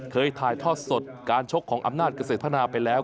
ถ่ายทอดสดการชกของอำนาจเกษตรพัฒนาไปแล้ว